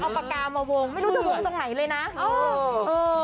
ตรงไหนเอาปากามาวงไม่รู้จะวงตรงไหนเลยน่ะโอ้